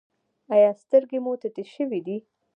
ایا سترګې مو تتې شوې دي؟